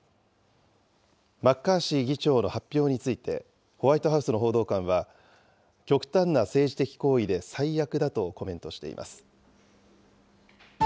マッカーシー議長の発表について、ホワイトハウスの報道官は、極端な政治的行為で最悪だとコメントしています。